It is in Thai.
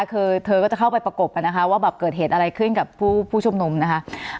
คือเธอก็จะเข้าไปประกบกันนะคะว่าแบบเกิดเหตุอะไรขึ้นกับผู้ชุมนุมนะคะ